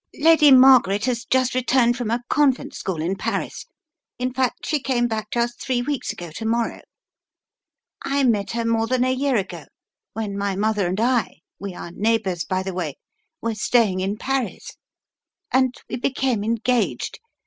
"Lady Margaret has just returned from a convent school in Paris. In fact, she came back just three weeks ago to morrow. I met her more than a year ago when my mother and I — we are neighbours, by the way — were staying in Paris, and 92 The Riddle of tlie Purple Emperor we became engaged.